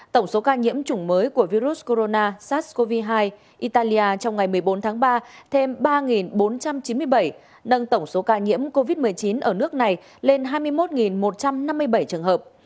tổng số ca nhiễm chủng mới của virus corona sars cov hai italia trong ngày một mươi bốn tháng ba thêm ba bốn trăm chín mươi bảy nâng tổng số ca nhiễm covid một mươi chín ở nước này lên hai mươi một một trăm năm mươi bảy trường hợp